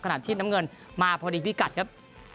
น้ำที่น้ำเงินมาพอดีพิกัดครับ